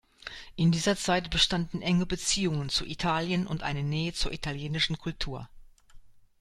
In dieser Zeit bestanden enge Beziehungen zu Italien und eine Nähe zur italienischen Kultur.